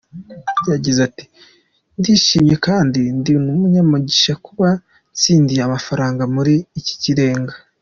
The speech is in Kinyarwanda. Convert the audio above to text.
Yagize ati "Ndishimye kandi ndi n’umunyamugisha kuba ntsindiye amafaranga muri Ni Ikirenga.